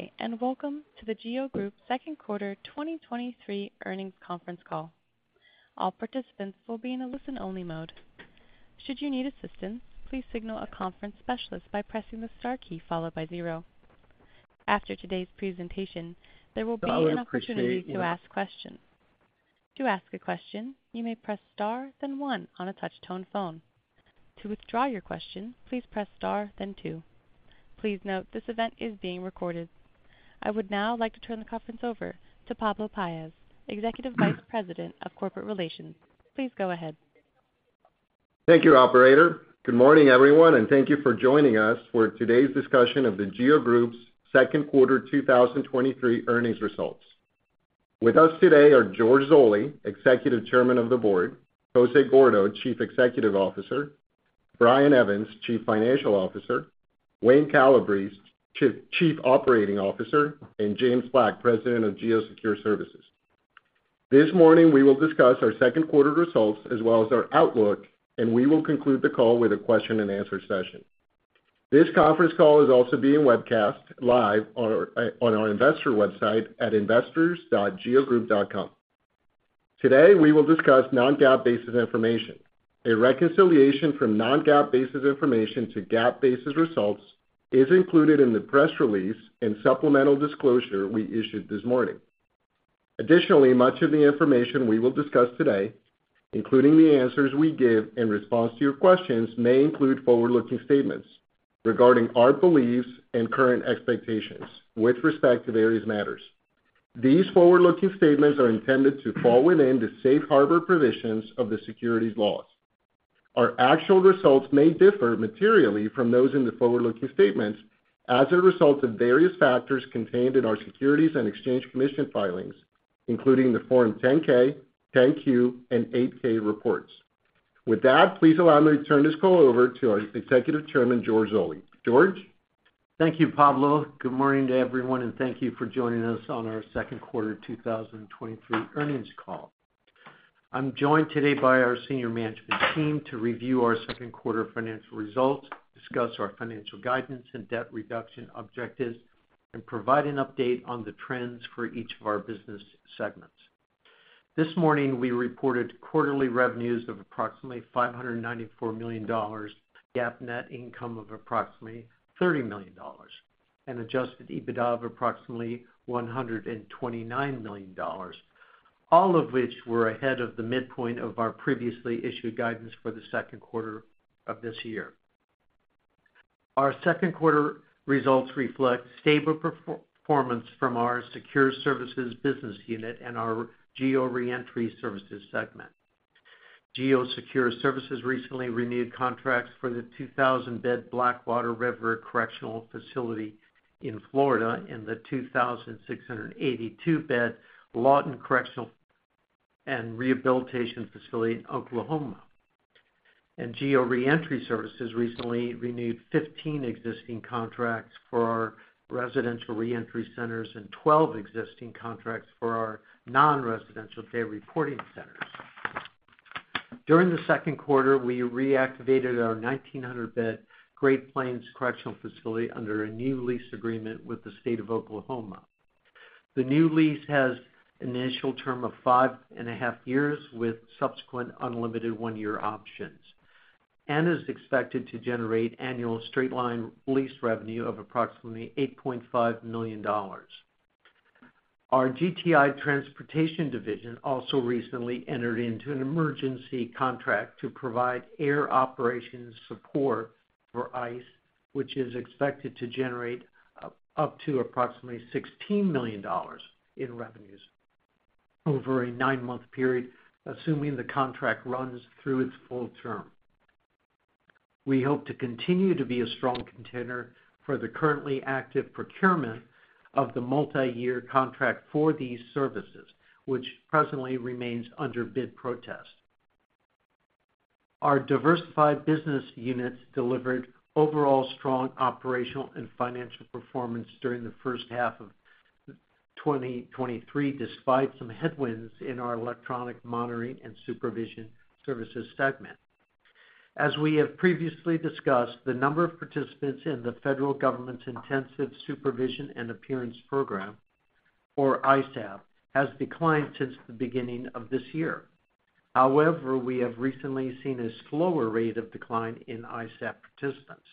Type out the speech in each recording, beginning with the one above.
Good day, and welcome to The GEO Group second quarter 2023 earnings conference call. All participants will be in a listen-only mode. Should you need assistance, please signal a conference specialist by pressing the star key followed by zero. After today's presentation, there will be an opportunity to ask questions. To ask a question, you may press star, then one on a touch-tone phone. To withdraw your question, please press star, then two. Please note, this event is being recorded. I would now like to turn the conference over to Pablo Paez, Executive Vice President of Corporate Relations. Please go ahead. Thank you, operator. Good morning, everyone, and thank you for joining us for today's discussion of the GEO Group's second quarter 2023 earnings results. With us today are George Zoley, Executive Chairman of the Board, Jose Gordo, Chief Executive Officer, Brian Evans, Chief Financial Officer, Wayne Calabrese, Chief Operating Officer, and James Black, President of GEO Secure Services. This morning, we will discuss our second quarter results as well as our outlook. We will conclude the call with a question-and-answer session. This conference call is also being webcast live on our investor website at investors.geogroup.com. Today, we will discuss non-GAAP-basis information. A reconciliation from non-GAAP-basis information to GAAP-basis results is included in the press release and supplemental disclosure we issued this morning. Additionally, much of the information we will discuss today, including the answers we give in response to your questions, may include forward-looking statements regarding our beliefs and current expectations with respect to various matters. These forward-looking statements are intended to fall within the Safe Harbor provisions of the securities laws. Our actual results may differ materially from those in the forward-looking statements as a result of various factors contained in our Securities and Exchange Commission filings, including the Form 10-K, 10-Q, and 8-K reports. With that, please allow me to turn this call over to our Executive Chairman, George Zoley. George? Thank you, Pablo. Good morning to everyone, and thank you for joining us on our second quarter 2023 earnings call. I'm joined today by our senior management team to review our second quarter financial results, discuss our financial guidance and debt reduction objectives, and provide an update on the trends for each of our business segments. This morning, we reported quarterly revenues of approximately $594 million, GAAP net income of approximately $30 million, and Adjusted EBITDA of approximately $129 million, all of which were ahead of the midpoint of our previously issued guidance for the second quarter of this year. Our second quarter results reflect stable performance from our Secure Services business unit and our GEO Reentry Services segment. GEO Secure Services recently renewed contracts for the 2,000-bed Blackwater River Correctional Facility in Florida and the 2,682-bed Lawton Correctional and Rehabilitation Facility in Oklahoma. GEO Reentry Services recently renewed 15 existing contracts for our residential reentry centers and 12 existing contracts for our non-residential day reporting centers. During the second quarter, we reactivated our 1,900-bed Great Plains Correctional Facility under a new lease agreement with the state of Oklahoma. The new lease has an initial term of 5.5 years, with subsequent unlimited one-year options, and is expected to generate annual straight-line lease revenue of approximately $8.5 million. Our GTI Transportation division also recently entered into an emergency contract to provide air operations support for ICE, which is expected to generate up to approximately $16 million in revenues over a 9-month period, assuming the contract runs through its full term. We hope to continue to be a strong contender for the currently active procurement of the multiyear contract for these services, which presently remains under bid protest. Our diversified business units delivered overall strong operational and financial performance during the first half of 2023, despite some headwinds in our electronic monitoring and supervision services segment. As we have previously discussed, the number of participants in the Federal Government's Intensive Supervision and Appearance Program, or ISAP, has declined since the beginning of this year. However, we have recently seen a slower rate of decline in ISAP participants.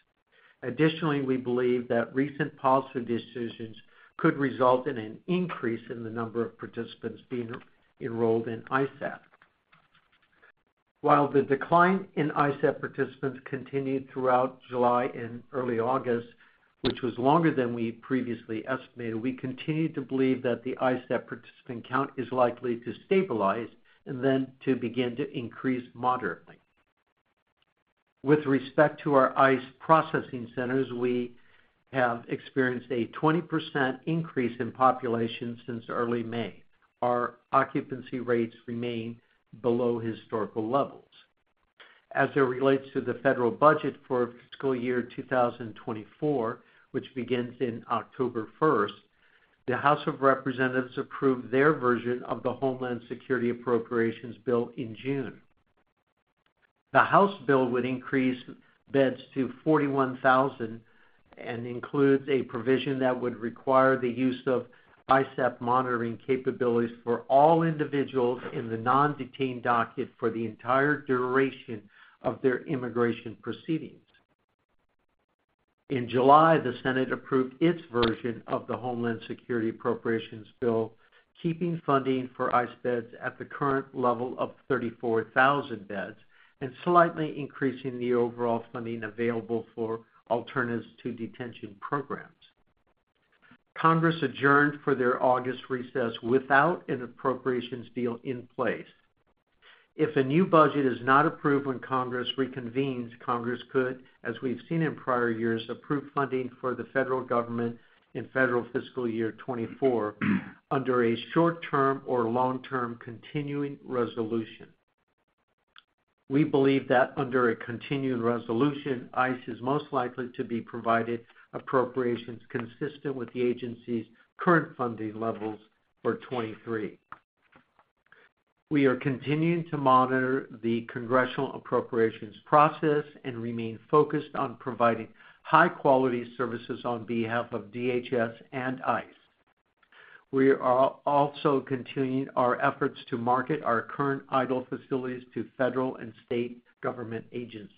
Additionally, we believe that recent policy decisions could result in an increase in the number of participants being enrolled in ISAP. While the decline in ISAP participants continued throughout July and early August, which was longer than we previously estimated, we continue to believe that the ISAP participant count is likely to stabilize and then to begin to increase moderately. With respect to our ICE processing centers, we have experienced a 20% increase in population since early May. Our occupancy rates remain below historical levels. As it relates to the federal budget for fiscal year 2024, which begins in October 1st, the House of Representatives approved their version of the Homeland Security Appropriations Bill in June. The House bill would increase beds to 41,000 and includes a provision that would require the use of ISAP monitoring capabilities for all individuals in the non-detained docket for the entire duration of their immigration proceedings. In July, the Senate approved its version of the Homeland Security Appropriations Bill, keeping funding for ICE beds at the current level of 34,000 beds, slightly increasing the overall funding available for Alternatives to Detention programs. Congress adjourned for their August recess without an appropriations deal in place. If a new budget is not approved when Congress reconvenes, Congress could, as we've seen in prior years, approve funding for the federal government in federal fiscal year 2024, under a short-term or long-term continuing resolution. We believe that under a continuing resolution, ICE is most likely to be provided appropriations consistent with the agency's current funding levels for 2023. We are continuing to monitor the congressional appropriations process and remain focused on providing high-quality services on behalf of DHS and ICE. We are also continuing our efforts to market our current idle facilities to federal and state government agencies.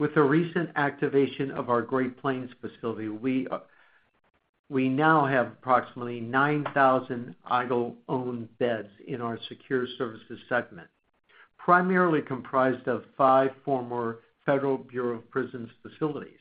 With the recent activation of our Great Plains facility, we, we now have approximately 9,000 idle owned beds in our Secure Services segment, primarily comprised of 5 former Federal Bureau of Prisons facilities.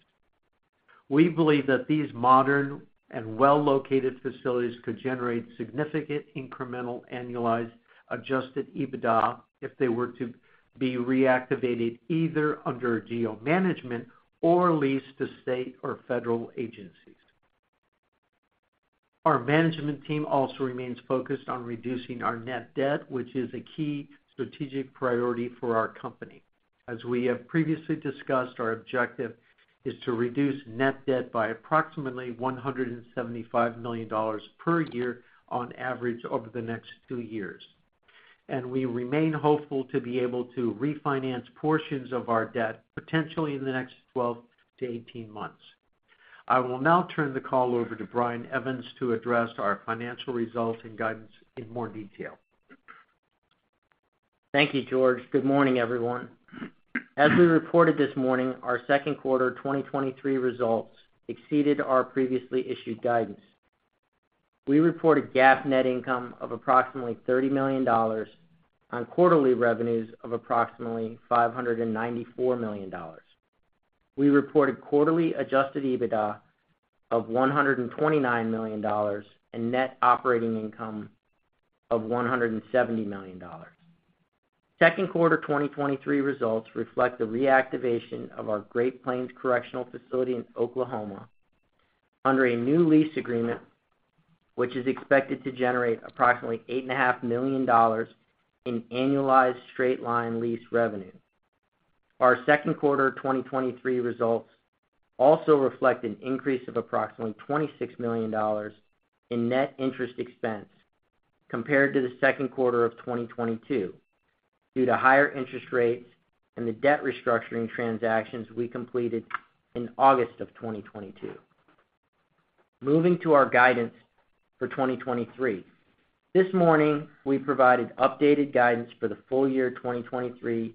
We believe that these modern and well-located facilities could generate significant incremental annualized Adjusted EBITDA, if they were to be reactivated either under GEO management or leased to state or federal agencies. Our management team also remains focused on reducing our net debt, which is a key strategic priority for our company. As we have previously discussed, our objective is to reduce net debt by approximately $175 million per year on average over the next two years. We remain hopeful to be able to refinance portions of our debt, potentially in the next 12-18 months. I will now turn the call over to Brian Evans to address our financial results and guidance in more detail. Thank you, George. Good morning, everyone. As we reported this morning, our second quarter 2023 results exceeded our previously issued guidance. We reported GAAP net income of approximately $30 million on quarterly revenues of approximately $594 million. We reported quarterly Adjusted EBITDA of $129 million, and Net Operating Income of $170 million. Second quarter 2023 results reflect the reactivation of our Great Plains Correctional Facility in Oklahoma under a new lease agreement, which is expected to generate approximately $8.5 million in annualized straight-line lease revenue. Our second quarter 2023 results also reflect an increase of approximately $26 million in net interest expense compared to the second quarter of 2022, due to higher interest rates and the debt restructuring transactions we completed in August of 2022. Moving to our guidance for 2023. This morning, we provided updated guidance for the full year 2023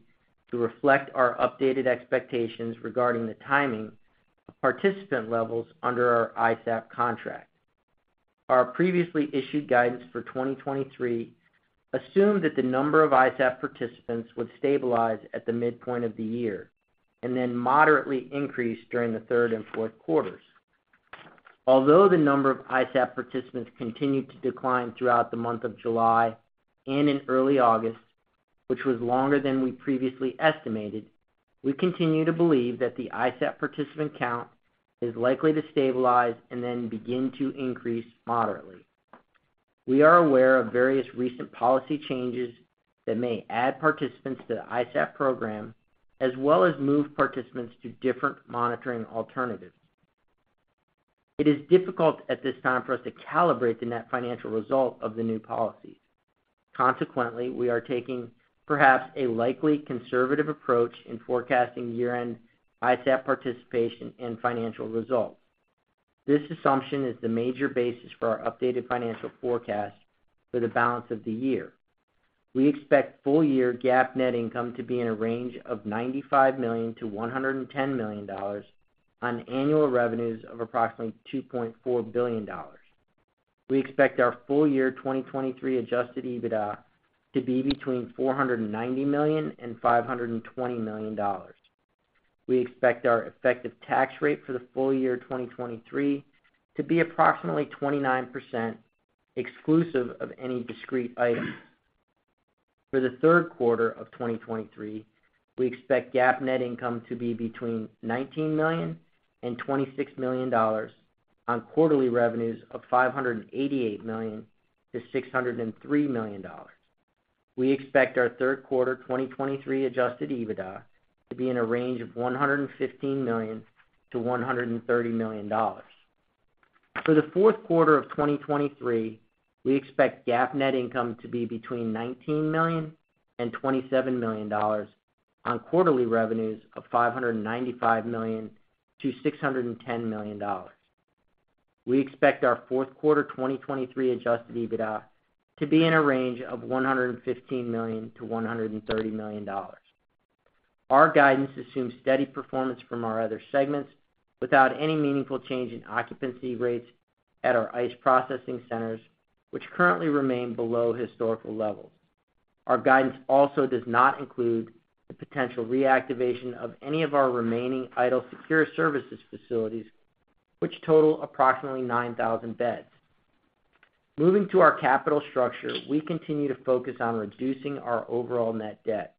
to reflect our updated expectations regarding the timing of participant levels under our ISAP contract. Our previously issued guidance for 2023 assumed that the number of ISAP participants would stabilize at the midpoint of the year, and then moderately increase during the third and fourth quarters. Although the number of ISAP participants continued to decline throughout the month of July and in early August, which was longer than we previously estimated, we continue to believe that the ISAP participant count is likely to stabilize and then begin to increase moderately. We are aware of various recent policy changes that may add participants to the ISAP program, as well as move participants to different monitoring alternatives. It is difficult at this time for us to calibrate the net financial result of the new policies. Consequently, we are taking perhaps a likely conservative approach in forecasting year-end ISAP participation and financial results. This assumption is the major basis for our updated financial forecast for the balance of the year. We expect full-year GAAP net income to be in a range of $95 million-$110 million on annual revenues of approximately $2.4 billion. We expect our full-year 2023 Adjusted EBITDA to be between $490 million and $520 million. We expect our effective tax rate for the full year 2023 to be approximately 29%, exclusive of any discrete items. For the third quarter of 2023, we expect GAAP net income to be between $19 million and $26 million on quarterly revenues of $588 million-$603 million. We expect our third quarter 2023 Adjusted EBITDA to be in a range of $115 million-$130 million. For the fourth quarter of 2023, we expect GAAP net income to be between $19 million and $27 million on quarterly revenues of $595 million-$610 million. We expect our fourth quarter 2023 Adjusted EBITDA to be in a range of $115 million-$130 million. Our guidance assumes steady performance from our other segments without any meaningful change in occupancy rates at our ICE processing centers, which currently remain below historical levels. Our guidance also does not include the potential reactivation of any of our remaining idle Secure Services facilities, which total approximately 9,000 beds. Moving to our capital structure, we continue to focus on reducing our overall net debt.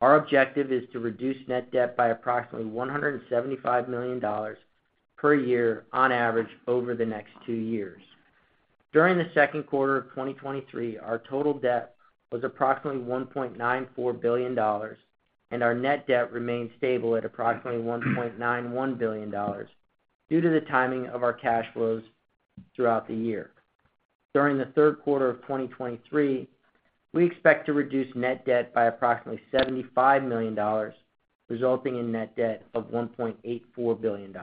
Our objective is to reduce net debt by approximately $175 million per year on average over the next two years. During the second quarter of 2023, our total debt was approximately $1.94 billion, and our net debt remained stable at approximately $1.91 billion due to the timing of our cash flows throughout the year. During the third quarter of 2023, we expect to reduce net debt by approximately $75 million, resulting in net debt of $1.84 billion.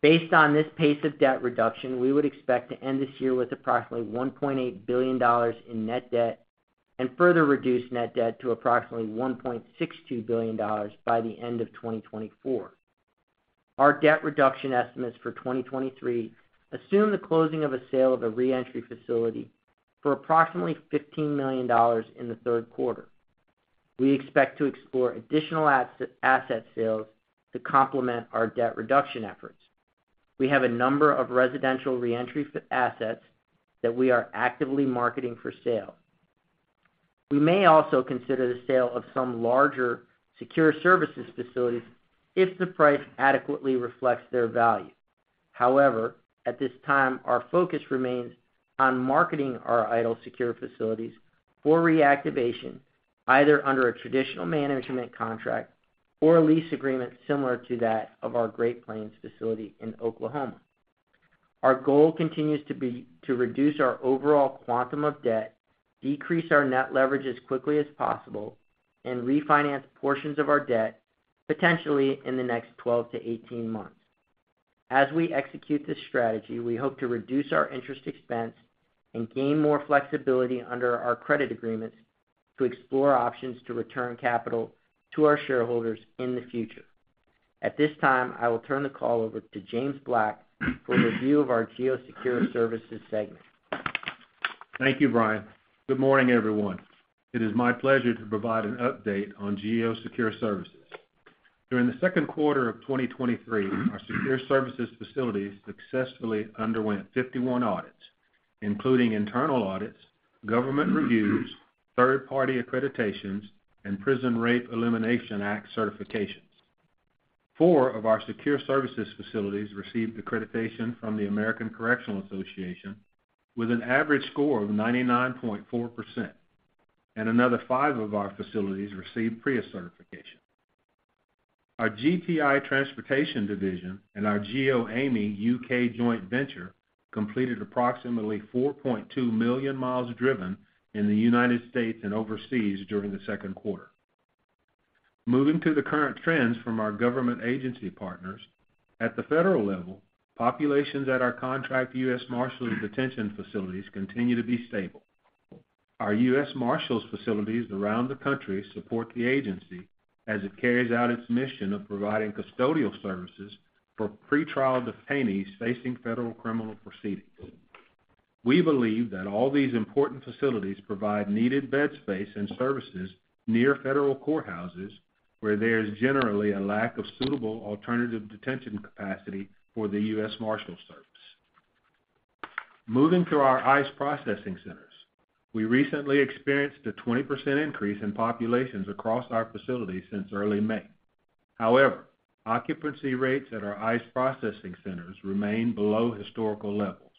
Based on this pace of debt reduction, we would expect to end this year with approximately $1.8 billion in net debt and further reduce net debt to approximately $1.62 billion by the end of 2024. Our debt reduction estimates for 2023 assume the closing of a sale of a reentry facility for approximately $15 million in the third quarter. We expect to explore additional asset sales to complement our debt reduction efforts. We have a number of residential reentry assets that we are actively marketing for sale. We may also consider the sale of some larger secure services facilities if the price adequately reflects their value. However, at this time, our focus remains on marketing our idle secure facilities for reactivation, either under a traditional management contract or a lease agreement similar to that of our Great Plains facility in Oklahoma. Our goal continues to be to reduce our overall quantum of debt, decrease our net leverage as quickly as possible, and refinance portions of our debt, potentially in the next 12 to 18 months. As we execute this strategy, we hope to reduce our interest expense and gain more flexibility under our credit agreements to explore options to return capital to our shareholders in the future. At this time, I will turn the call over to James Black for a review of our GEO Secure Services segment. Thank you, Brian. Good morning, everyone. It is my pleasure to provide an update on GEO Secure Services. During the second quarter of 2023, our Secure Services facilities successfully underwent 51 audits, including internal audits, government reviews, third-party accreditations, and Prison Rape Elimination Act certifications. Four of our Secure Services facilities received accreditation from the American Correctional Association with an average score of 99.4%, and another five of our facilities received PREA certification. Our GTI Transportation division and our GEOAmey U.K. joint venture completed approximately 4.2 million miles driven in the United States and overseas during the second quarter. Moving to the current trends from our government agency partners, at the federal level, populations at our contract U.S. Marshals detention facilities continue to be stable. Our U.S. Marshals facilities around the country support the agency as it carries out its mission of providing custodial services for pretrial detainees facing federal criminal proceedings. We believe that all these important facilities provide needed bed space and services near federal courthouses, where there is generally a lack of suitable alternative detention capacity for the U.S. Marshals Service. Moving to our ICE processing centers, we recently experienced a 20% increase in populations across our facilities since early May. However, occupancy rates at our ICE processing centers remain below historical levels.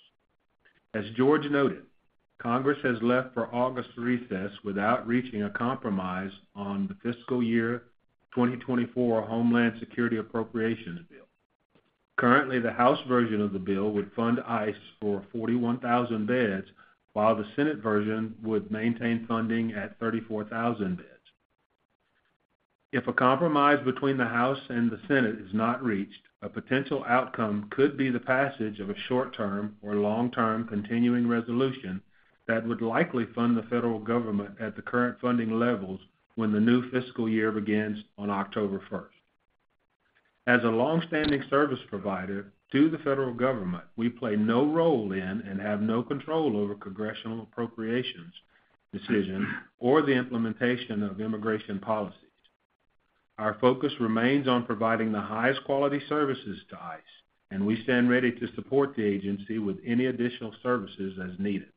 As George noted, Congress has left for August recess without reaching a compromise on the fiscal year 2024 Homeland Security Appropriations Bill. Currently, the House version of the bill would fund ICE for 41,000 beds, while the Senate version would maintain funding at 34,000 beds. If a compromise between the House and the Senate is not reached, a potential outcome could be the passage of a short-term or long-term continuing resolution that would likely fund the federal government at the current funding levels when the new fiscal year begins on October 1st. As a long-standing service provider to the federal government, we play no role in and have no control over congressional appropriations decisions or the implementation of immigration policies. Our focus remains on providing the highest quality services to ICE, and we stand ready to support the agency with any additional services as needed.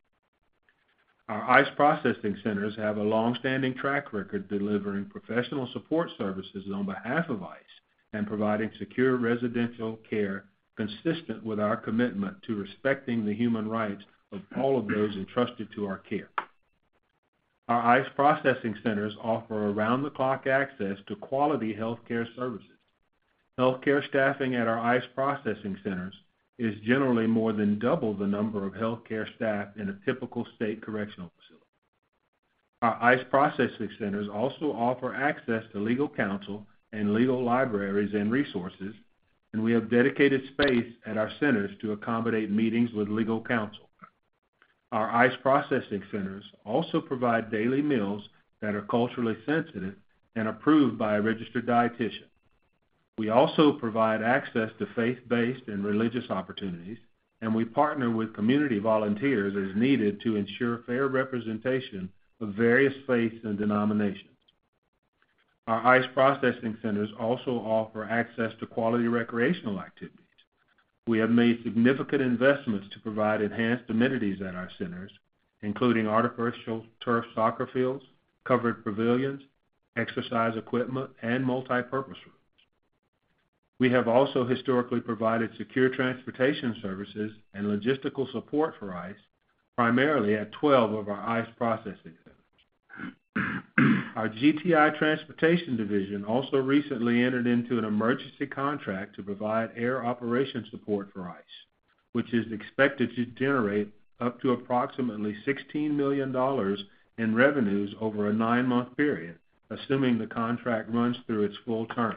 Our ICE processing centers have a long-standing track record delivering professional support services on behalf of ICE and providing secure residential care consistent with our commitment to respecting the human rights of all of those entrusted to our care. Our ICE processing centers offer around-the-clock access to quality healthcare services. Healthcare staffing at our ICE processing centers is generally more than double the number of healthcare staff in a typical state correctional facility. Our ICE processing centers also offer access to legal counsel and legal libraries and resources, and we have dedicated space at our centers to accommodate meetings with legal counsel. Our ICE processing centers also provide daily meals that are culturally sensitive and approved by a registered dietitian. We also provide access to faith-based and religious opportunities, and we partner with community volunteers as needed to ensure fair representation of various faiths and denominations. Our ICE processing centers also offer access to quality recreational activities. We have made significant investments to provide enhanced amenities at our centers, including artificial turf soccer fields, covered pavilions, exercise equipment, and multipurpose rooms. We have also historically provided secure transportation services and logistical support for ICE, primarily at 12 of our ICE processing centers. Our GTI transportation division also recently entered into an emergency contract to provide air operation support for ICE, which is expected to generate up to approximately $16 million in revenues over a 9-month period, assuming the contract runs through its full term.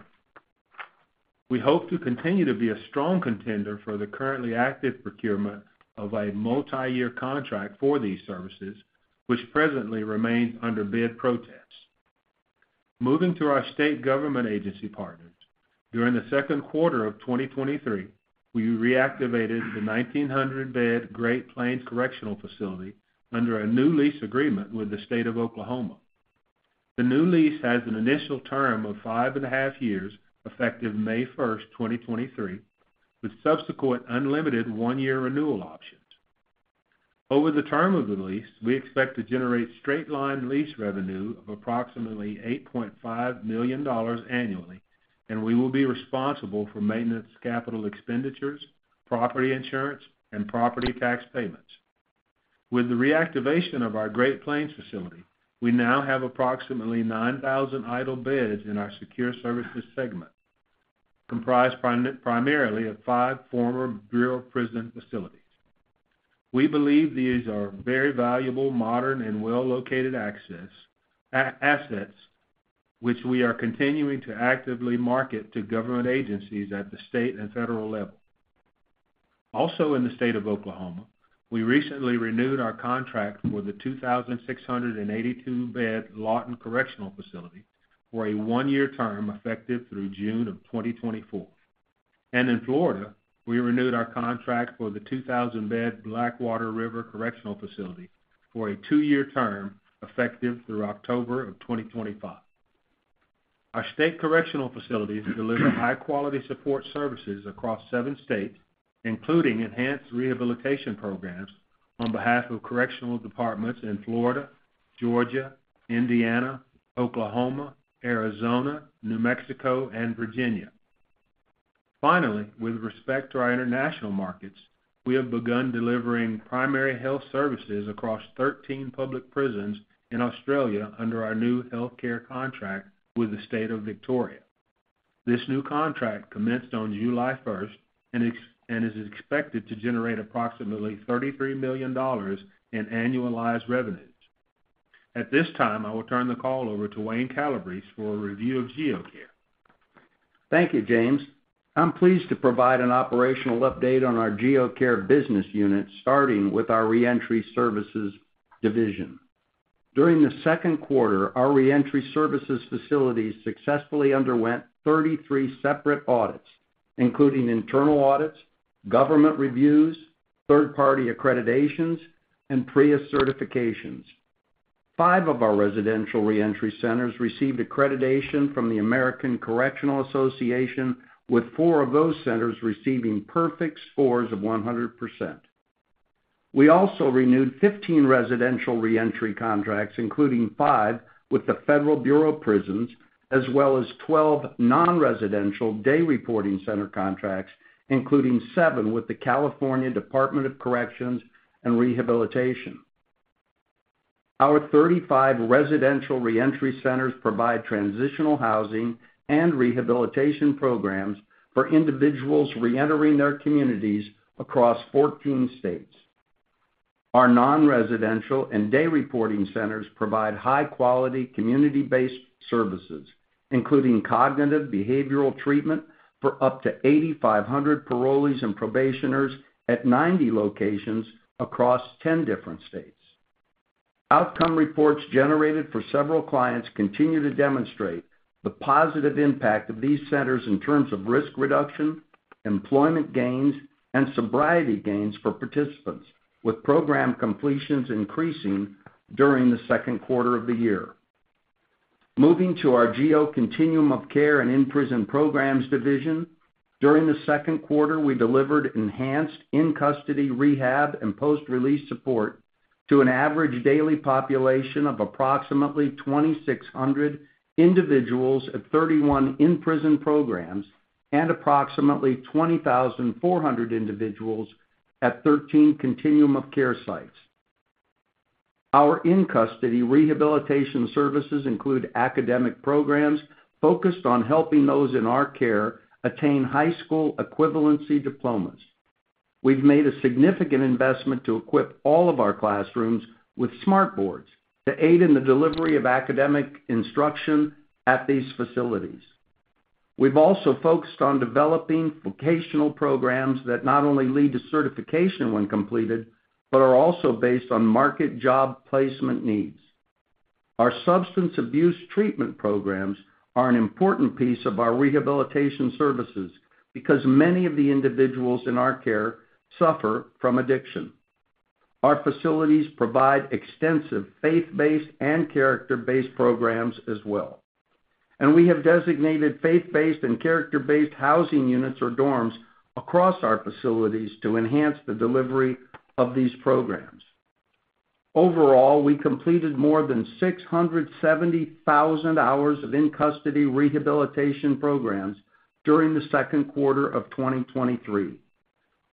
We hope to continue to be a strong contender for the currently active procurement of a multiyear contract for these services, which presently remains under bid protests. Moving to our state government agency partners, during the second quarter of 2023, we reactivated the 1,900-bed Great Plains Correctional Facility under a new lease agreement with the State of Oklahoma. The new lease has an initial term of five and a half years, effective May 1st, 2023, with subsequent unlimited 1-year renewal options. Over the term of the lease, we expect to generate straight-line lease revenue of approximately $8.5 million annually, and we will be responsible for maintenance, capital expenditures, property insurance, and property tax payments. With the reactivation of our Great Plains facility, we now have approximately 9,000 idle beds in our secure services segment, comprised primarily of five former Bureau of Prisons facilities. We believe these are very valuable, modern, and well-located access assets, which we are continuing to actively market to government agencies at the state and federal level. In the state of Oklahoma, we recently renewed our contract for the 2,682-bed Lawton Correctional Facility for a 1-year term, effective through June of 2024. In Florida, we renewed our contract for the 2,000-bed Blackwater River Correctional Facility for a two-year term, effective through October of 2025. Our state correctional facilities deliver high-quality support services across seven states, including enhanced rehabilitation programs on behalf of correctional departments in Florida, Georgia, Indiana, Oklahoma, Arizona, New Mexico, and Virginia. With respect to our international markets, we have begun delivering primary health services across 13 public prisons in Australia under our new healthcare contract with the State of Victoria. This new contract commenced on July 1st and is expected to generate approximately $33 million in annualized revenues. At this time, I will turn the call over to Wayne Calabrese for a review of GEO Care. Thank you, James. I'm pleased to provide an operational update on our GEO Care business unit, starting with our Reentry Services division. During the second quarter, our reentry services facilities successfully underwent 33 separate audits, including internal audits, government reviews, third-party accreditations, and PREA certifications. Five of our residential reentry centers received accreditation from the American Correctional Association, with four of those centers receiving perfect scores of 100%. We also renewed 15 residential reentry contracts, including five with the Federal Bureau of Prisons, as well as 12 nonresidential day reporting center contracts, including seven with the California Department of Corrections and Rehabilitation. Our 35 residential reentry centers provide transitional housing and rehabilitation programs for individuals reentering their communities across 14 states. Our nonresidential and day reporting centers provide high-quality, community-based services, including cognitive behavioral treatment for up to 8,500 parolees and probationers at 90 locations across 10 different states. Outcome reports generated for several clients continue to demonstrate the positive impact of these centers in terms of risk reduction, employment gains, and sobriety gains for participants, with program completions increasing during the second quarter of the year. Moving to our GEO Continuum of Care and In-Prison Programs division, during the second quarter, we delivered enhanced in-custody rehab and post-release support to an average daily population of approximately 2,600 individuals at 31 in-prison programs and approximately 20,400 individuals at 13 continuum of care sites. Our in-custody rehabilitation services include academic programs focused on helping those in our care attain high school equivalency diplomas. We've made a significant investment to equip all of our classrooms with smartboards to aid in the delivery of academic instruction at these facilities. We've also focused on developing vocational programs that not only lead to certification when completed, but are also based on market job placement needs. Our substance abuse treatment programs are an important piece of our rehabilitation services, because many of the individuals in our care suffer from addiction. Our facilities provide extensive faith-based and character-based programs as well. We have designated faith-based and character-based housing units or dorms across our facilities to enhance the delivery of these programs. Overall, we completed more than 670,000 hours of in-custody rehabilitation programs during the second quarter of 2023.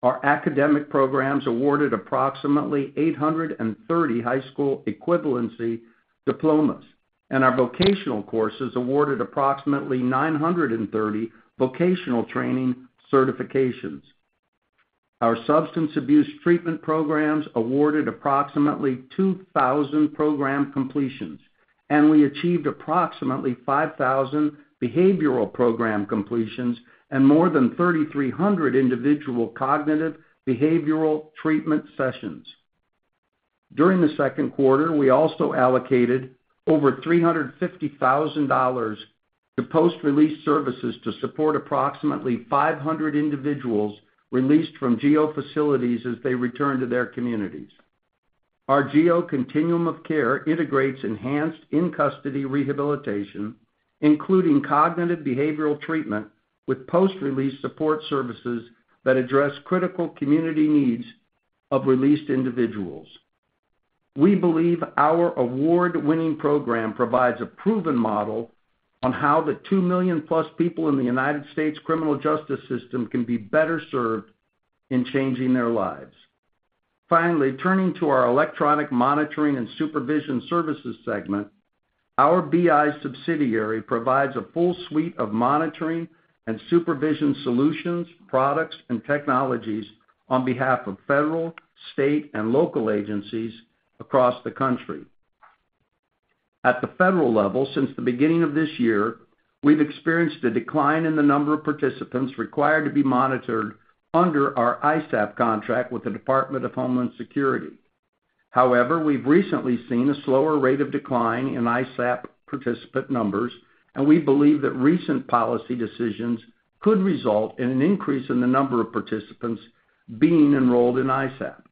Our academic programs awarded approximately 830 high school equivalency diplomas, and our vocational courses awarded approximately 930 vocational training certifications. Our substance abuse treatment programs awarded approximately 2,000 program completions, and we achieved approximately 5,000 behavioral program completions and more than 3,300 individual cognitive behavioral treatment sessions. During the second quarter, we also allocated over $350,000 to post-release services to support approximately 500 individuals released from GEO facilities as they return to their communities. Our GEO Continuum of Care integrates enhanced in-custody rehabilitation, including cognitive behavioral treatment, with post-release support services that address critical community needs of released individuals. We believe our award-winning program provides a proven model on how the 2 million+ people in the United States criminal justice system can be better served in changing their lives. Finally, turning to our electronic monitoring and supervision services segment, our BI subsidiary provides a full suite of monitoring and supervision solutions, products, and technologies on behalf of federal, state, and local agencies across the country. At the federal level, since the beginning of this year, we've experienced a decline in the number of participants required to be monitored under our ISAP contract with the Department of Homeland Security. However, we've recently seen a slower rate of decline in ISAP participant numbers, and we believe that recent policy decisions could result in an increase in the number of participants being enrolled in ISAP.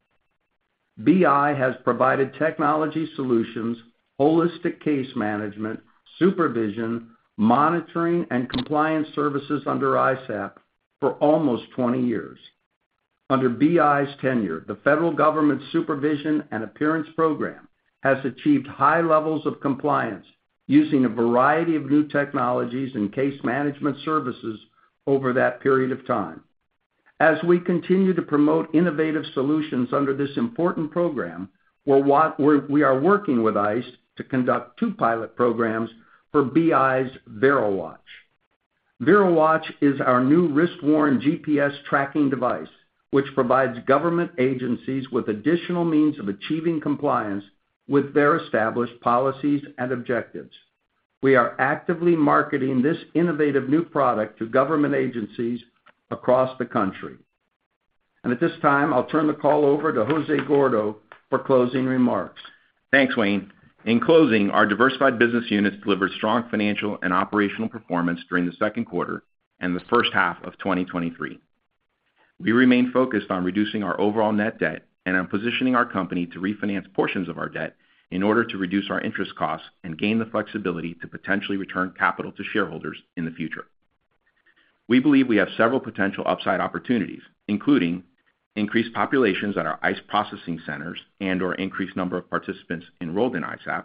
BI has provided technology solutions, holistic case management, supervision, monitoring, and compliance services under ISAP for almost 20 years. Under BI's tenure, the federal government's Supervision and Appearance program has achieved high levels of compliance using a variety of new technologies and case management services over that period of time. As we continue to promote innovative solutions under this important program, we are working with ICE to conduct two pilot programs for BI's VeriWatch. VeriWatch is our new wrist-worn GPS tracking device, which provides government agencies with additional means of achieving compliance with their established policies and objectives. We are actively marketing this innovative new product to government agencies across the country. At this time, I'll turn the call over to Jose Gordo for closing remarks. Thanks, Wayne. In closing, our diversified business units delivered strong financial and operational performance during the second quarter and the first half of 2023. We remain focused on reducing our overall net debt and on positioning our company to refinance portions of our debt in order to reduce our interest costs and gain the flexibility to potentially return capital to shareholders in the future. We believe we have several potential upside opportunities, including increased populations at our ICE processing centers and/or increased number of participants enrolled in ISAP,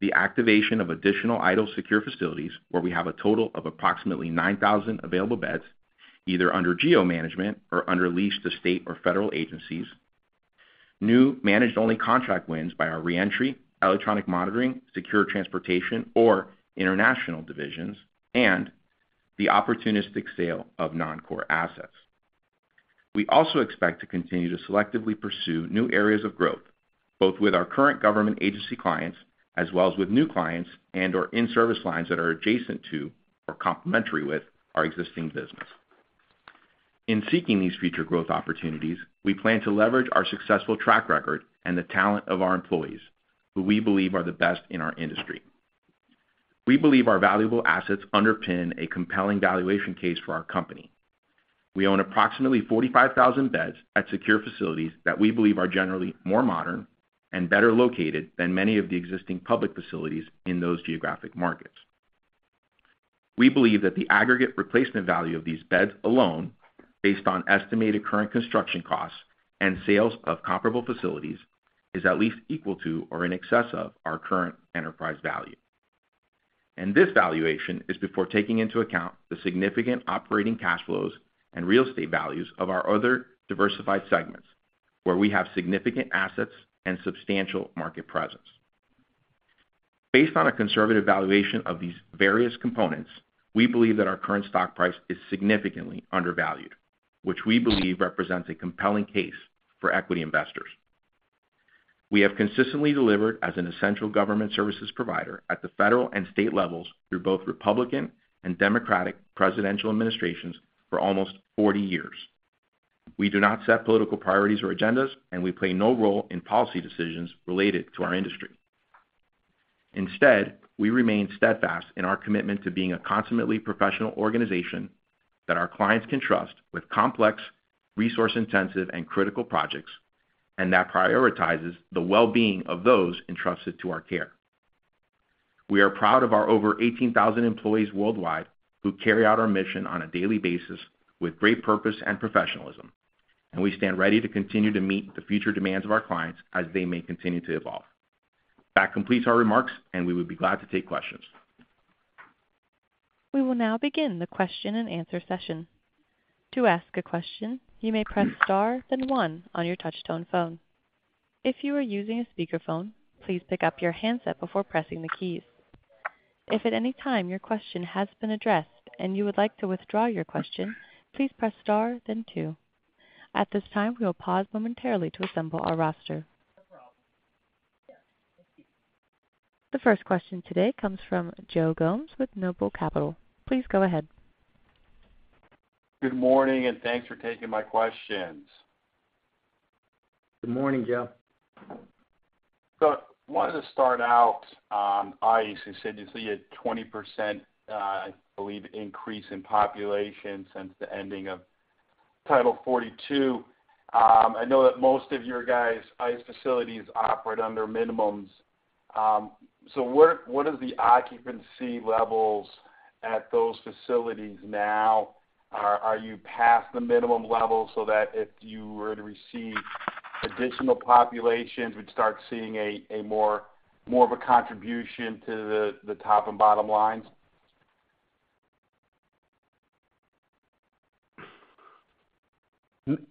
the activation of additional idle secure facilities, where we have a total of approximately 9,000 available beds, either under GEO management or under lease to state or federal agencies, new managed-only contract wins by our reentry, electronic monitoring, secure transportation, or international divisions, and the opportunistic sale of non-core assets. We also expect to continue to selectively pursue new areas of growth, both with our current government agency clients, as well as with new clients and/or in-service lines that are adjacent to or complementary with our existing business. In seeking these future growth opportunities, we plan to leverage our successful track record and the talent of our employees, who we believe are the best in our industry. We believe our valuable assets underpin a compelling valuation case for our company. We own approximately 45,000 beds at secure facilities that we believe are generally more modern and better located than many of the existing public facilities in those geographic markets. We believe that the aggregate replacement value of these beds alone, based on estimated current construction costs and sales of comparable facilities, is at least equal to or in excess of our current enterprise value. This valuation is before taking into account the significant operating cash flows and real estate values of our other diversified segments, where we have significant assets and substantial market presence. Based on a conservative valuation of these various components, we believe that our current stock price is significantly undervalued, which we believe represents a compelling case for equity investors. We have consistently delivered as an essential government services provider at the federal and state levels through both Republican and Democratic presidential administrations for almost 40 years. We do not set political priorities or agendas, and we play no role in policy decisions related to our industry. Instead, we remain steadfast in our commitment to being a consummately professional organization that our clients can trust with complex, resource-intensive, and critical projects, and that prioritizes the well-being of those entrusted to our care. We are proud of our over 18,000 employees worldwide who carry out our mission on a daily basis with great purpose and professionalism, and we stand ready to continue to meet the future demands of our clients as they may continue to evolve. That completes our remarks, and we would be glad to take questions. We will now begin the question-and-answer session. To ask a question, you may press star, then one on your touchtone phone. If you are using a speakerphone, please pick up your handset before pressing the keys. If at any time your question has been addressed and you would like to withdraw your question, please press star then two. At this time, we will pause momentarily to assemble our roster. The first question today comes from Joe Gomes with Noble Capital. Please go ahead. Good morning. Thanks for taking my questions. Good morning, Joe. I wanted to start out, ICE has said you see a 20%, I believe, increase in population since the ending of Title 42. I know that most of your guys' ICE facilities operate under minimums. where what are the occupancy levels at those facilities now? Are, are you past the minimum level so that if you were to receive additional populations, we'd start seeing a, a more, more of a contribution to the, the top and bottom lines?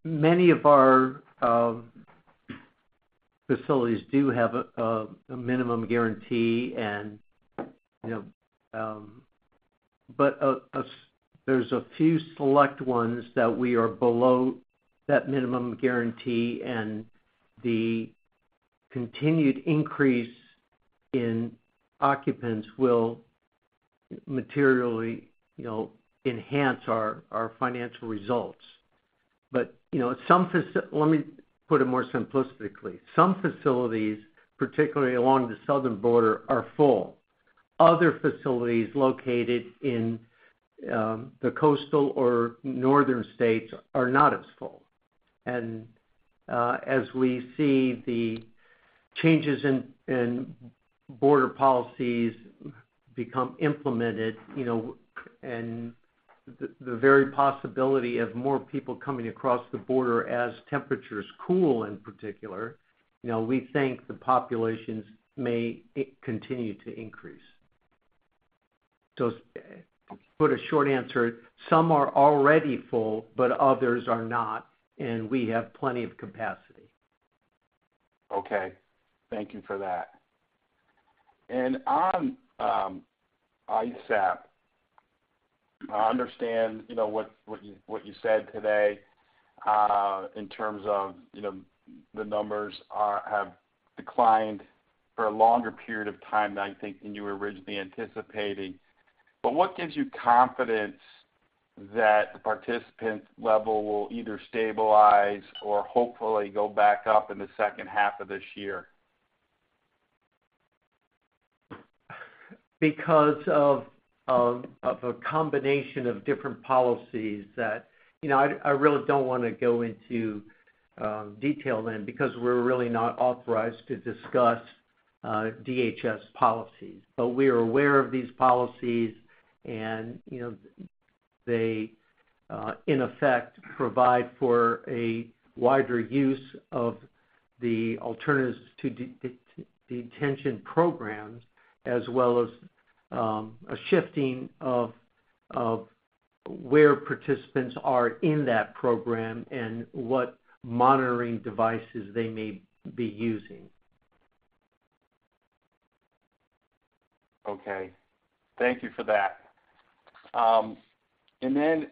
Many of our facilities do have a minimum guarantee and, you know, but there's a few select ones that we are below that minimum guarantee, and the continued increase in occupants will materially, you know, enhance our, our financial results. You know. Let me put it more simplistically. Some facilities, particularly along the southern border, are full. Other facilities located in the coastal or northern states are not as full. As we see the changes in, in border policies become implemented, you know, and the, the very possibility of more people coming across the border as temperatures cool in particular, you know, we think the populations may continue to increase. To put a short answer, some are already full, but others are not, and we have plenty of capacity. Okay. Thank you for that. On ISAP, I understand, you know, what, what you, what you said today, in terms of, you know, the numbers are, have declined for a longer period of time than I think than you were originally anticipating. What gives you confidence that the participant level will either stabilize or hopefully go back up in the second half of this year? Because of a combination of different policies that... You know, I, I really don't want to go into detail then, because we're really not authorized to discuss DHS policies. We are aware of these policies and, you know, they, in effect, provide for a wider use of the Alternatives to Detention programs, as well as a shifting of where participants are in that program and what monitoring devices they may be using. Okay. Thank you for that. If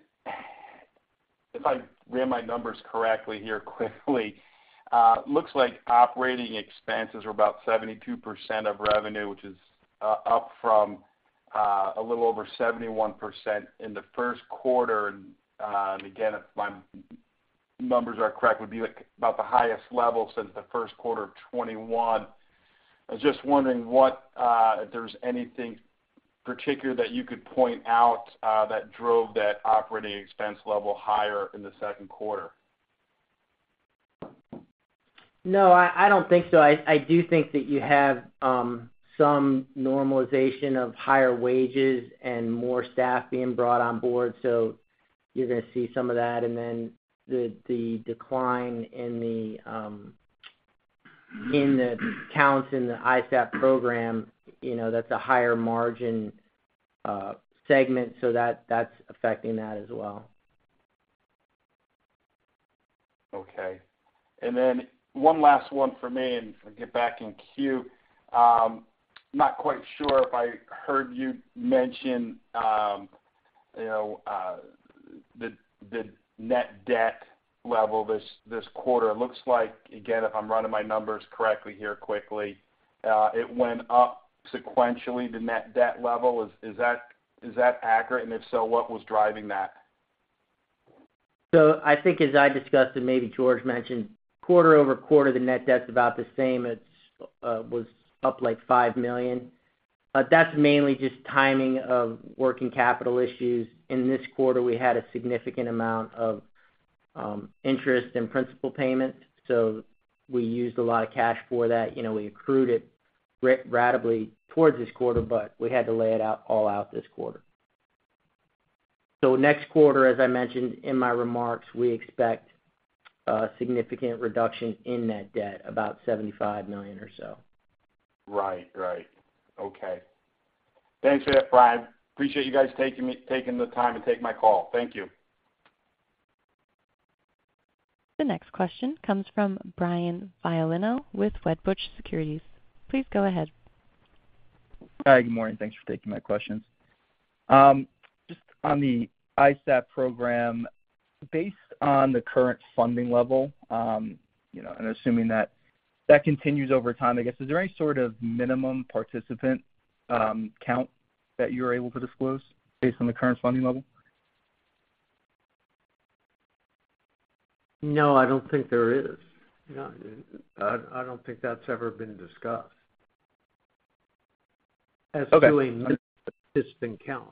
I read my numbers correctly here quickly, looks like operating expenses are about 72% of revenue, which is up from a little over 71% in the first quarter. If my numbers are correct, would be, like, about the highest level since the first quarter of 2021. I was just wondering what if there's anything particular that you could point out that drove that operating expense level higher in the second quarter? No, I, I don't think so. I, I do think that you have some normalization of higher wages and more staff being brought on board, so you're going to see some of that. Then the, the decline in the counts in the ISAP program, you know, that's a higher margin segment, so that, that's affecting that as well. Okay. Then one last one for me, and I'll get back in queue. Not quite sure if I heard you mention, you know, the net debt level this quarter. It looks like, again, if I'm running my numbers correctly here quickly, it went up sequentially, the net debt level. Is that accurate? If so, what was driving that? I think as I discussed, and maybe George mentioned, quarter-over-quarter, the net debt's about the same. It's was up, like, $5 million. That's mainly just timing of working capital issues. In this quarter, we had a significant amount of interest and principal payments, so we used a lot of cash for that. You know, we accrued it ratably towards this quarter, but we had to lay it out, all out this quarter. Next quarter, as I mentioned in my remarks, we expect a significant reduction in net debt, about $75 million or so. Right. Right. Okay. Thanks for that, Brian. Appreciate you guys taking the time to take my call. Thank you. The next question comes from Brian Violino with Wedbush Securities. Please go ahead. Hi, good morning. Thanks for taking my questions. Just on the ISAP program, based on the current funding level, you know, and assuming that that continues over time, I guess, is there any sort of minimum participant count that you're able to disclose based on the current funding level? No, I don't think there is. No, I, I don't think that's ever been discussed- Okay.... as to a participant count.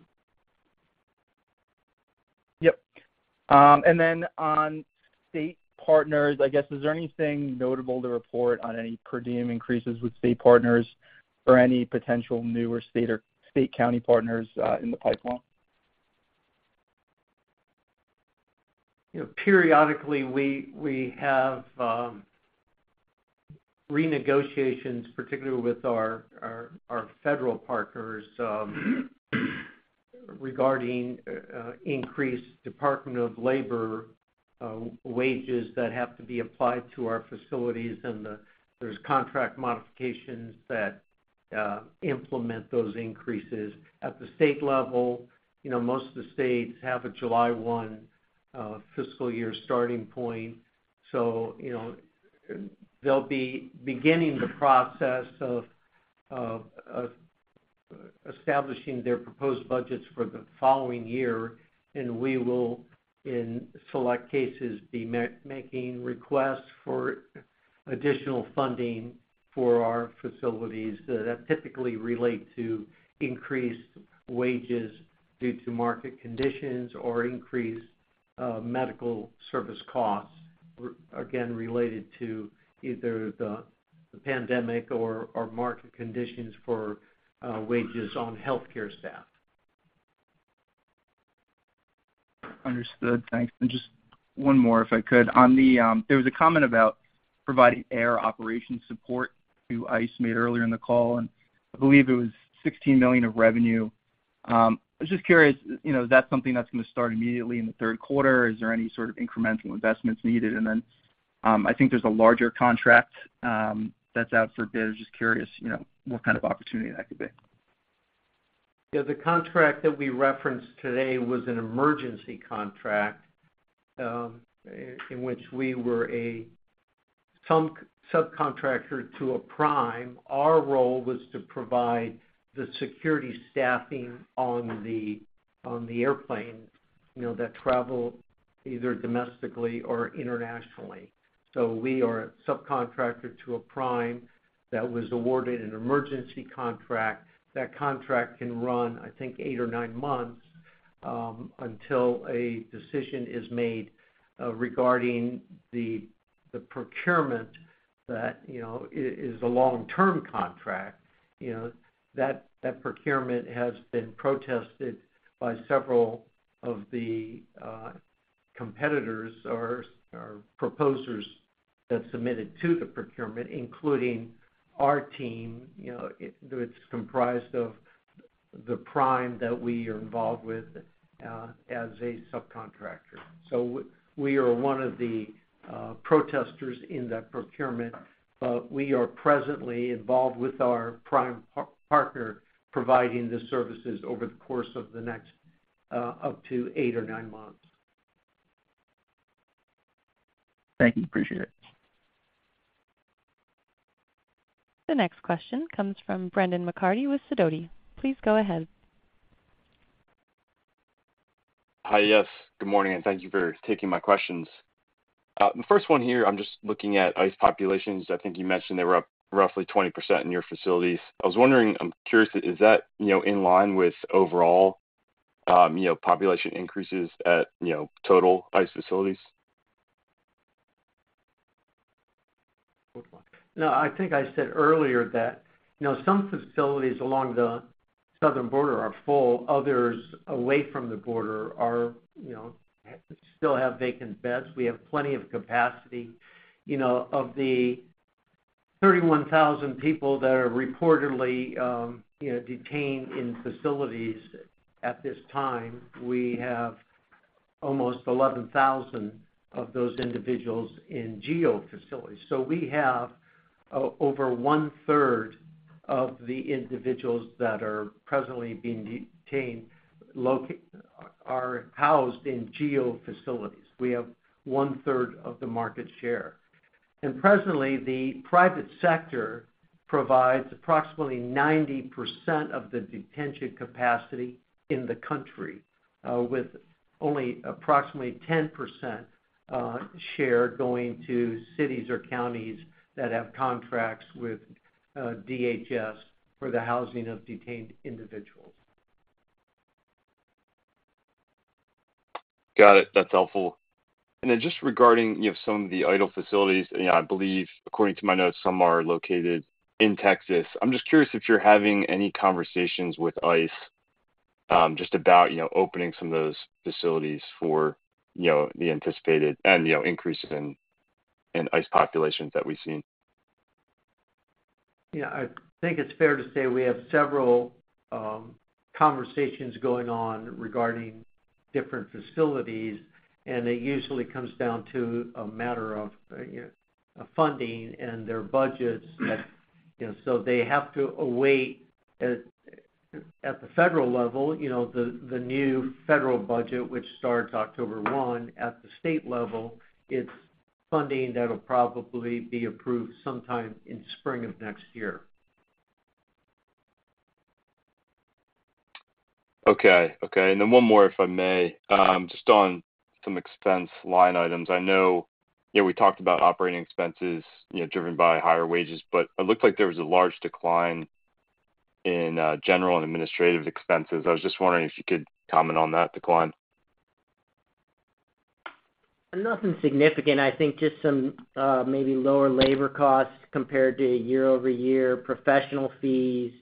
Yep. Then on state partners, is there anything notable to report on any per diem increases with state partners or any potential newer state or state county partners in the pipeline? You know, periodically we have renegotiations, particularly with our federal partners regarding increased Department of Labor wages that have to be applied to our facilities, and there's contract modifications that implement those increases. At the state level, you know, most of the states have a July 1 fiscal year starting point. You know, they'll be beginning the process of establishing their proposed budgets for the following year, and we will, in select cases, be making requests for additional funding for our facilities that typically relate to increased wages due to market conditions or increased medical service costs, again, related to either the pandemic or market conditions for wages on healthcare staff. Understood. Thanks. Just one more, if I could. On the... There was a comment about providing air operation support to ICE made earlier in the call, and I believe it was $16 million of revenue. I was just curious, you know, that's something that's going to start immediately in the third quarter? Is there any sort of incremental investments needed? Then, I think there's a larger contract, that's out for bid. I was just curious, you know, what kind of opportunity that could be. Yeah, the contract that we referenced today was an emergency contract, in which we were a sub- subcontractor to a prime. Our role was to provide the security staffing on the, on the airplane, you know, that travel either domestically or internationally. We are a subcontractor to a prime that was awarded an emergency contract. That contract can run, I think, eight or nine months, until a decision is made, regarding the, the procurement that, you know, is a long-term contract. You know, that, that procurement has been protested by several of the, competitors or, or proposers that submitted to the procurement, including our team. You know, it's comprised of the prime that we are involved with, as a subcontractor. We are one of the protesters in that procurement, but we are presently involved with our prime partner, providing the services over the course of the next, up to eight or nine months. Thank you. Appreciate it. The next question comes from Brendan McCarthy with Sidoti. Please go ahead. Hi. Yes, good morning, and thank you for taking my questions. The first one here, I'm just looking at ICE populations. I think you mentioned they were up roughly 20% in your facilities. I was wondering, I'm curious, is that, you know, in line with overall, you know, population increases at, you know, total ICE facilities? No, I think I said earlier that, you know, some facilities along the southern border are full, others away from the border are, you know, still have vacant beds. We have plenty of capacity. You know, of the 31,000 people that are reportedly, you know, detained in facilities at this time, we have almost 11,000 of those individuals in GEO facilities. We have over one-third of the individuals that are presently being detained, are, are housed in GEO facilities. We have one-third of the market share. Presently, the private sector provides approximately 90% of the detention capacity in the country, with only approximately 10% share going to cities or counties that have contracts with DHS for the housing of detained individuals. Got it. That's helpful. Just regarding, you know, some of the idle facilities, and I believe, according to my notes, some are located in Texas, I'm just curious if you're having any conversations with ICE, just about, you know, opening some of those facilities for, you know, the anticipated and, you know, increases in, in ICE populations that we've seen? Yeah, I think it's fair to say we have several conversations going on regarding different facilities, and it usually comes down to a matter of funding and their budgets. You know, they have to await at, at the federal level, you know, the, the new federal budget, which starts October 1. At the state level, it's funding that'll probably be approved sometime in spring of next year. Okay. Okay, and then one more, if I may. Sure. Just on some expense line items. I know, you know, we talked about operating expenses, you know, driven by higher wages, but it looked like there was a large decline in general and administrative expenses. I was just wondering if you could comment on that decline. Nothing significant. I think just some, maybe lower labor costs compared to year-over-year professional fees,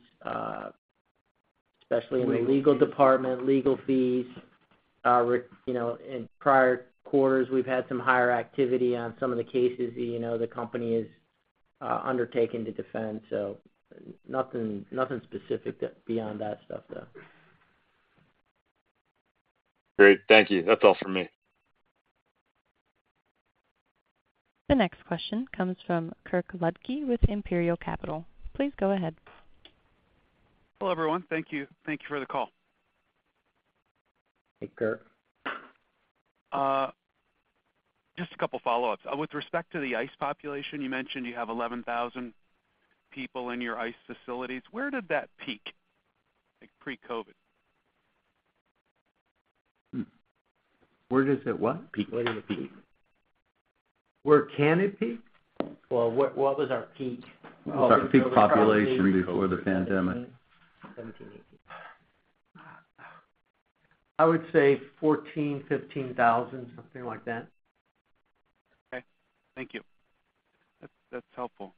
especially in the legal department, legal fees. You know, in prior quarters, we've had some higher activity on some of the cases, you know, the company is undertaking to defend. Nothing, nothing specific beyond that stuff, though. Great. Thank you. That's all for me. The next question comes from Kirk Ludtke with Imperial Capital. Please go ahead. Hello, everyone. Thank you. Thank you for the call. Hey, Kirk. Just a couple follow-ups. With respect to the ICE population, you mentioned you have 11,000 people in your ICE facilities. Where did that peak, like pre-COVID? Hmm. Where does it what? Peak. Where did it peak? Where can it peak? Well, what, what was our peak? What was our peak population before the pandemic? 1780. I would say 14,000 15,000, something like that. Okay. Thank you. That's, that's helpful.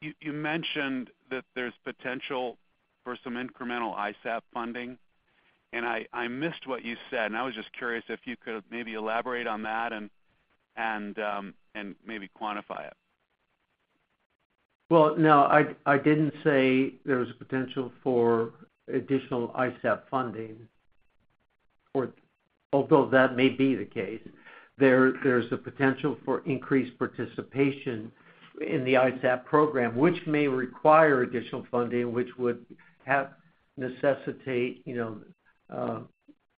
You, you mentioned that there's potential for some incremental ISAP funding, and I, I missed what you said, and I was just curious if you could maybe elaborate on that and, and, and maybe quantify it. Well, no, I, I didn't say there was a potential for additional ISAP funding, or although that may be the case, there, there's a potential for increased participation in the ISAP program, which may require additional funding, which would have necessitate, you know,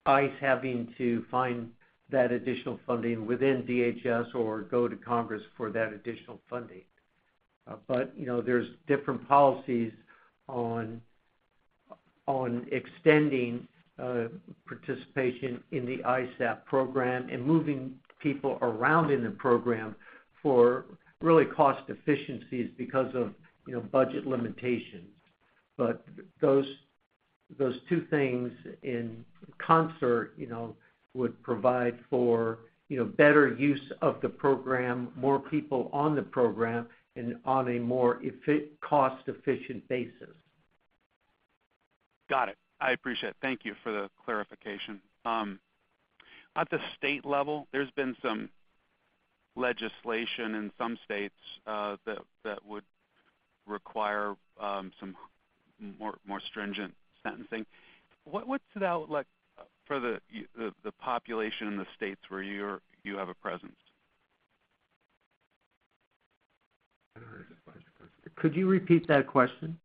ICE having to find that additional funding within DHS or go to Congress for that additional funding. You know, there's different policies on, on extending, participation in the ISAP program and moving people around in the program for really cost efficiencies because of, you know, budget limitations. Those, those two things in concert, you know, would provide for, you know, better use of the program, more people on the program and on a more effi-- cost-efficient basis. Got it. I appreciate it. Thank you for the clarification. At the state level, there's been some legislation in some states, that, that would require, some more, more stringent sentencing. What, what's the outlook for the the, the population in the states where you have a presence? I don't understand the question. Could you repeat that question,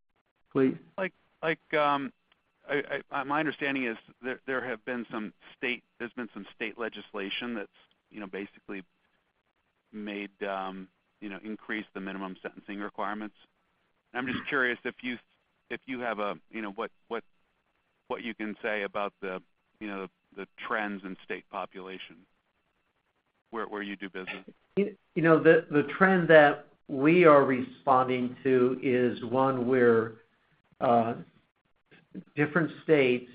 please? Like, like, My understanding is there, there have been some state legislation that's, you know, basically made, you know, increase the minimum sentencing requirements. I'm just curious if you, if you have a, you know, what, what, what you can say about the, you know, the trends in state population where, where you do business? You know, the, the trend that we are responding to is one where different states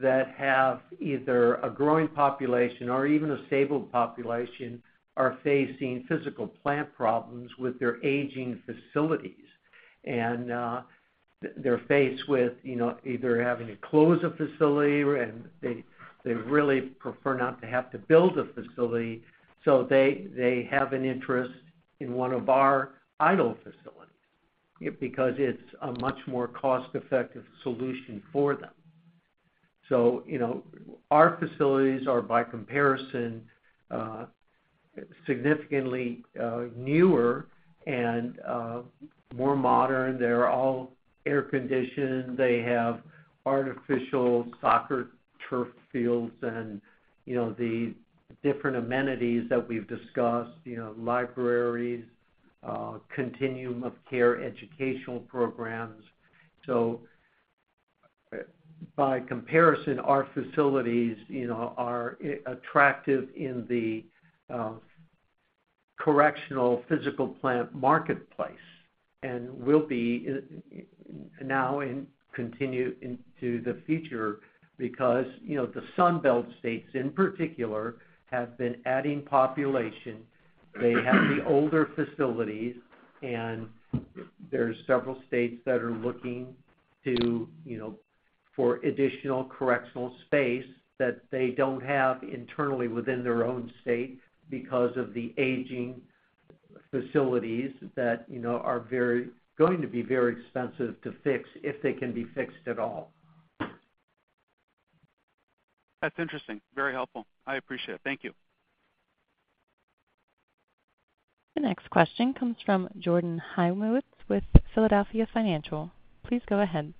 that have either a growing population or even a stable population, are facing physical plant problems with their aging facilities. They're faced with, you know, either having to close a facility, and they, they really prefer not to have to build a facility, so they, they have an interest in one of our idle facilities, because it's a much more cost-effective solution for them. You know, our facilities are, by comparison, significantly newer and more modern. They're all air-conditioned. They have artificial soccer turf fields and, you know, the different amenities that we've discussed, you know, libraries, continuum of care, educational programs. By comparison, our facilities, you know, are attractive in the correctional physical plant marketplace, and will be now and continue into the future. You know, the Sun Belt states, in particular, have been adding population. They have the older facilities, and there's several states that are looking to, you know, for additional correctional space that they don't have internally within their own state because of the aging facilities that, you know, are going to be very expensive to fix, if they can be fixed at all. That's interesting. Very helpful. I appreciate it. Thank you. The next question comes from Jordan Hymowitz with Philadelphia Financial. Please go ahead.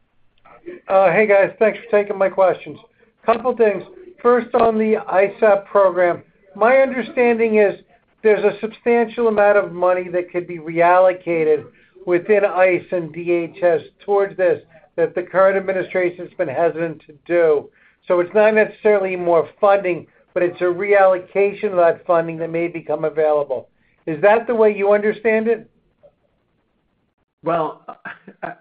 Hey, guys, thanks for taking my questions. Couple things. First, on the ISAP program, my understanding is there's a substantial amount of money that could be reallocated within ICE and DHS towards this, that the current administration has been hesitant to do. It's not necessarily more funding, but it's a reallocation of that funding that may become available. Is that the way you understand it? Well,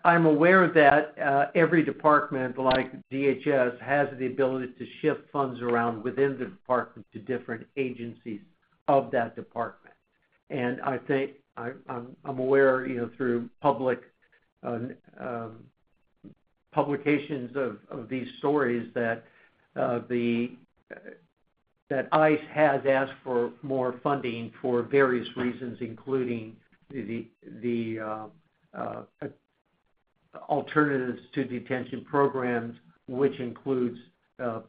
I'm aware that every department, like DHS, has the ability to shift funds around within the department to different agencies of that department. I think I'm, I'm aware, you know, through public, publications of, of these stories, that ICE has asked for more funding for various reasons, including the, the, Alternatives to Detention programs, which includes,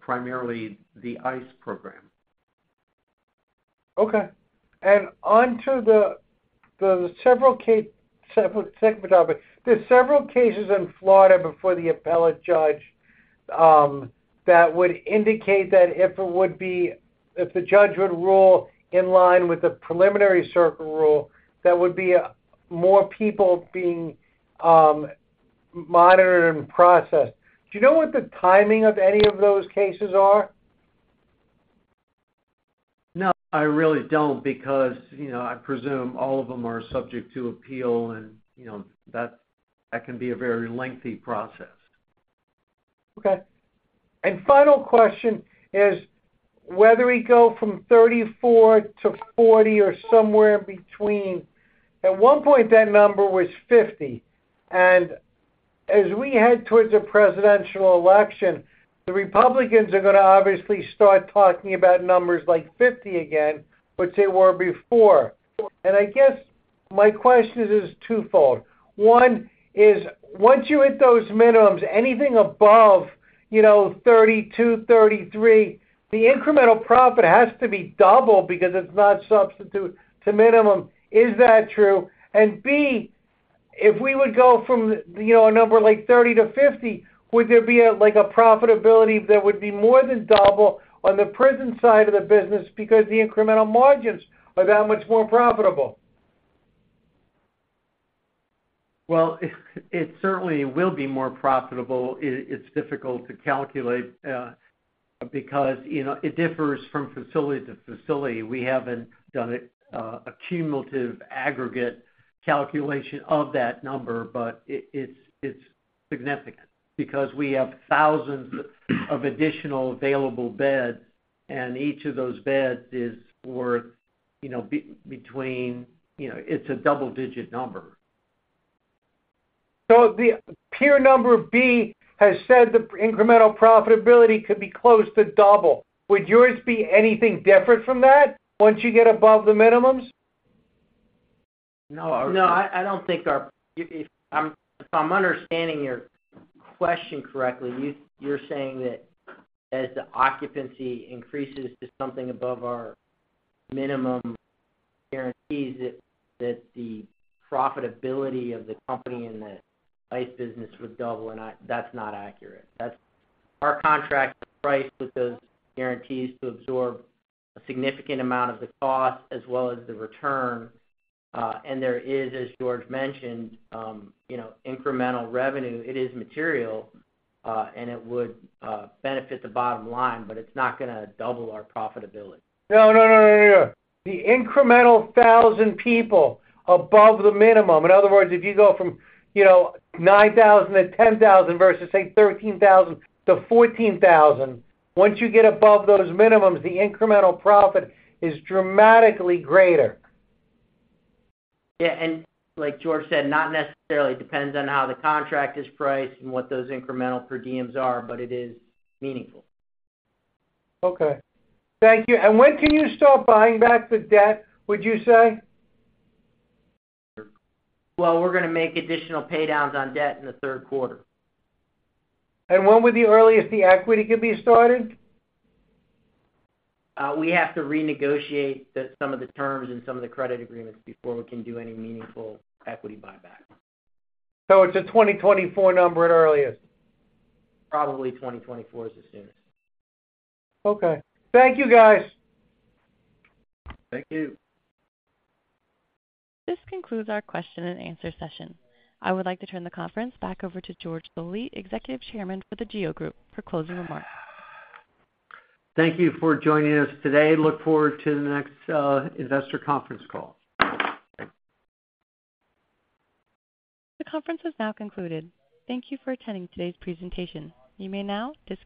primarily the ICE program. Okay, on to the there's several cases in Florida before the appellate judge, that would indicate that if it would be, if the judge would rule in line with the preliminary circuit rule, that would be more people being, monitored and processed. Do you know what the timing of any of those cases are? No, I really don't, because, you know, I presume all of them are subject to appeal, and, you know, that, that can be a very lengthy process. Okay. Final question is, whether we go from 34 to 40 or somewhere in between, at one point, that number was 50, and as we head towards the presidential election, the Republicans are going to obviously start talking about numbers like 50 again, which they were before. I guess my question is twofold: one is, once you hit those minimums, anything above, you know, 32, 33, the incremental profit has to be double because it's not substitute to minimum. Is that true? B, if we would go from, you know, a number like 30 to 50, would there be a, like, a profitability that would be more than double on the prison side of the business because the incremental margins are that much more profitable? Well, it, it certainly will be more profitable. It, it's difficult to calculate, because, you know, it differs from facility to facility. We haven't done a, a cumulative aggregate calculation of that number, but it, it's, it's significant because we have thousands of additional available beds, and each of those beds is worth, you know, between, you know, it's a double-digit number. The peer number B has said the incremental profitability could be close to double. Would yours be anything different from that once you get above the minimums? No. No, I, I don't think our... If, if I'm, if I'm understanding your question correctly, you, you're saying that as the occupancy increases to something above our minimum guarantees, that the profitability of the company and the ICE business would double. That's not accurate. Our contract price with those guarantees to absorb a significant amount of the cost as well as the return, and there is, as George mentioned, you know, incremental revenue. It is material, and it would benefit the bottom line, but it's not going to double our profitability. No, no, no, no, no, no. The incremental 1,000 people above the minimum. In other words, if you go from, you know, 9,000 to 10,000 versus, say, 13,000 to 14,000, once you get above those minimums, the incremental profit is dramatically greater. Yeah, like George said, not necessarily. Depends on how the contract is priced and what those incremental per diems are, but it is meaningful. Okay. Thank you. When can you start buying back the debt, would you say? Well, we're going to make additional paydowns on debt in the third quarter. When would the earliest the equity could be started? We have to renegotiate the, some of the terms and some of the credit agreements before we can do any meaningful equity buyback. It's a 2024 number at earliest? Probably 2024 is the soonest. Okay. Thank you, guys. Thank you. This concludes our question-and-answer session. I would like to turn the conference back over to George Zoley, Executive Chairman for The GEO Group, for closing remarks. Thank you for joining us today. Look forward to the next investor conference call. The conference is now concluded. Thank you for attending today's presentation. You may now disconnect.